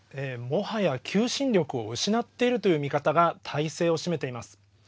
もはや求心力を失っているという見方が大勢を占めています。